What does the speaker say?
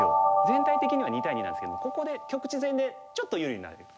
全体的には２対２なんですけどここで局地戦でちょっと優位になれる。